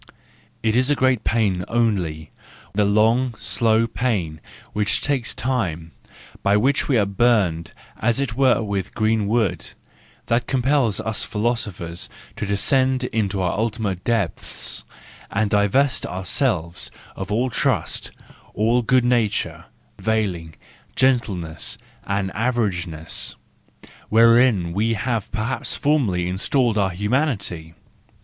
It is great pain only, the long slow pain which takes time, by which we are burned as it were with green wood, that compels us philosophers to de¬ scend into our ultimate depths, and divest ourselves of all trust, all good nature, veiling, gentleness, and averageness, wherein we have perhaps formerly installed our humanity.